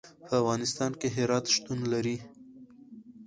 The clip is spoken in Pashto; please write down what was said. په افغانستان کې هرات شتون لري.